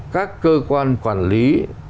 các cơ quan quản lý